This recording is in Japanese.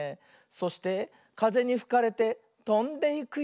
そしてかぜにふかれてとんでいくよ。